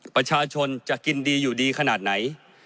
ประชาชนจะกินดีอยู่ดีขนาดไหน